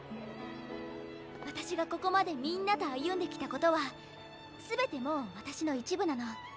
私がここまでみんなと歩んできたことは全てもう私の一部なの。